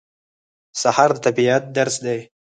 سهار د طبیعت درس دی.